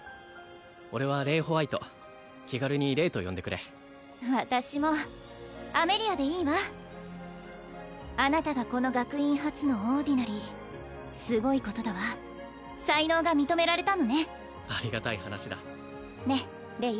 俺はレイ＝ホワイト気軽にレイと呼んでくれ私もアメリアでいいわあなたがこの学院初のオーディナリーすごいことだわ才能が認められたのねありがたい話だねっレイ